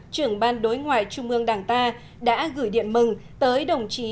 trưởng ban đối ngoại trung ương đảng ta đã gửi điện mừng tới đồng chí